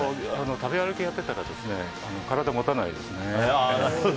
食べ歩きやってたら体が持たないですね。